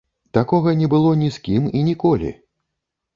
Такога не было ні з кім і ніколі.